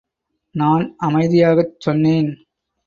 நான் அமைதியாகச் சொன்னேன்.